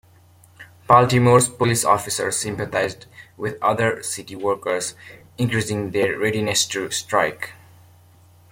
Baltimore's police officers sympathized with other city workers, increasing their readiness to strike.